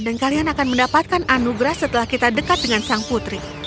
dan kalian akan mendapatkan anugerah setelah kita dekat dengan sang putri